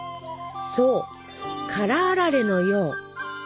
そう「辛あられ」のよう。